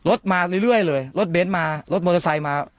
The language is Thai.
รถมาเรื่อยเลยรถเบ้นมารถมอเตอร์ไซค์มา